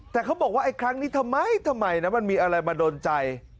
แต่เขาบอกว่าไอ้ครั้งนี้ทำไมทำไมนะมันมีอะไรมาโดนใจ